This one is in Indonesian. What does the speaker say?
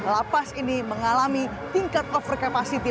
lapas ini mengalami tingkat overkapasitas